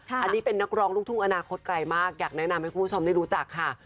อันนี้เป็นนักร้องลูกทุ่งอนาคตไกลมากอยากแนะนำให้คุณผู้ชมได้รู้จักค่ะ